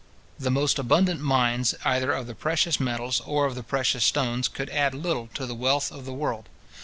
The most abundant mines, either of the precious metals, or of the precious stones, could add little to the wealth of the world.